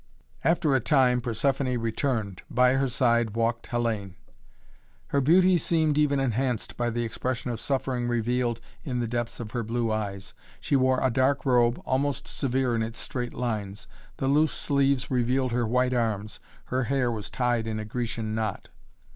After a time Persephoné returned. By her side walked Hellayne. Her beauty seemed even enhanced by the expression of suffering revealed in the depths of her blue eyes. She wore a dark robe, almost severe in its straight lines. The loose sleeves revealed her white arms. Her hair was tied in a Grecian knot.